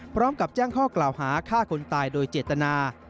พร้อมกับแจ้งข้อกล่าวหาฆ่าคนตายโดยเจตนา